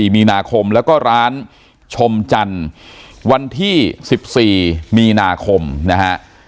มีนาคมแล้วก็ร้านชมจันทร์วันที่๑๔มีนาคมนะฮะ